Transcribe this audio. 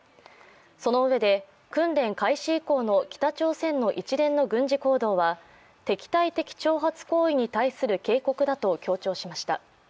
そのうえで、訓練開始以降の北朝鮮の一連の軍事行動は敵対的挑発行為に対する警告だと強調しました。